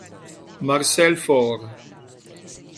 Marcel Faure